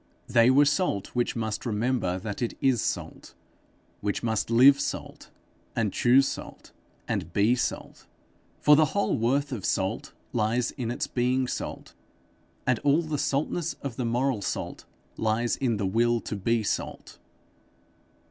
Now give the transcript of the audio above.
They were salt which must remember that it is salt; which must live salt, and choose salt, and be salt. For the whole worth of salt lies in its being salt; and all the saltness of the moral salt lies in the will to be salt.